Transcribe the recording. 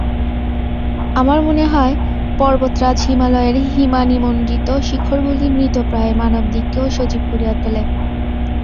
আমার মনে হয়, পর্বতরাজ হিমালয়ের হিমানীমণ্ডিত শিখরগুলি মৃতপ্রায় মানবদিগকেও সজীব করিয়া তোলে।